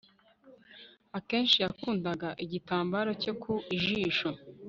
Akenshi yakundaga igitambaro cye ku jisho